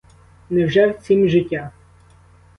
Невже в цім життя?